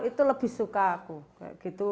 itu lebih suka aku